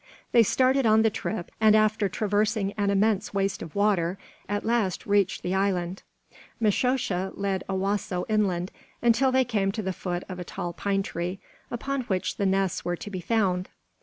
They started on the trip, and after traversing an immense waste of water, at last reached the island. Mishosha led Owasso inland until they came to the foot of a tall pine tree, upon which the nests were to be found.